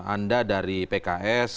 anda dari pks